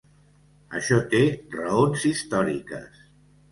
Això té raons històriques.